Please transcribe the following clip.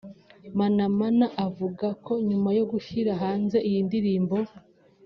Manamana avuga ko nyuma yo gushyira hanze iyi ndirimbo